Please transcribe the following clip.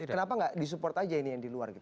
kenapa nggak disupport aja ini yang di luar gitu